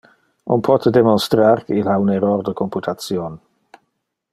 On pote demonstrar que il ha un error de computation.